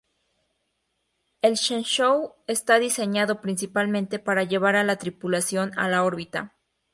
El Shenzhou está diseñado principalmente para llevar a la tripulación a la órbita.